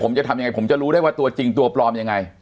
ผมจะทำยังไงผมจะรู้ได้ว่าตัวจริงตัวปลอมยังไง